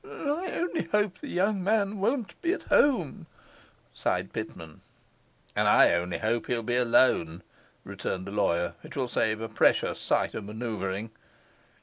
'I only hope the young man won't be at home,' sighed Pitman. 'And I only hope he'll be alone,' returned the lawyer. 'It will save a precious sight of manoeuvring.